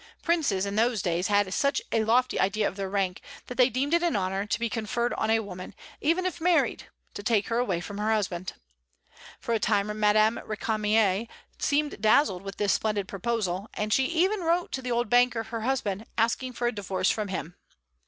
Princes, in those days, had such a lofty idea of their rank that they deemed it an honor to be conferred on a woman, even if married, to take her away from her husband. For a time Madame Récamier seemed dazzled with this splendid proposal, and she even wrote to the old banker, her husband, asking for a divorce from him.